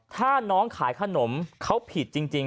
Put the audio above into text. ถ้าน้องขายขนมเขาผิดจริง